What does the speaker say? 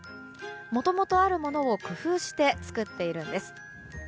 もともとあるものを工夫して作っているんです。